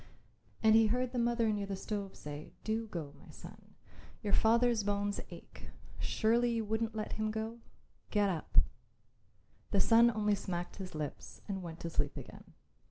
And he heard the mother near the stove say, "Do go, my son. Your father's bones ache; surely you wouldn't let him go? Get up." The son only smacked his lips and went to sleep again.